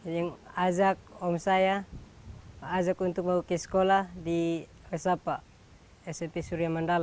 yang ajak om saya ajak untuk mau ke sekolah di resapa smp surya mandala